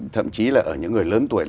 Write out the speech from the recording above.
thậm chí là ở những người lớn tuổi